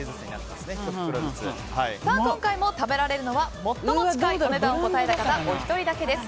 今回も食べられるのは最も近いお値段を答えた方おひとりだけです。